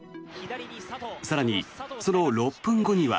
更に、その６分後には。